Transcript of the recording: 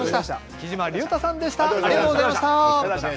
きじまりゅうたさんでした。